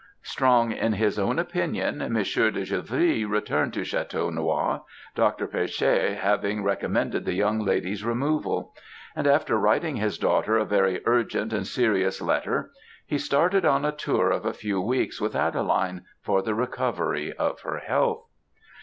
Strong in his own opinion, Monsieur de Givry returned to Château Noir, Dr. Pecher having recommended the young lady's removal; and after writing his daughter a very urgent and serious letter, he started on a tour of a few weeks, with Adeline, for the recovery of her health.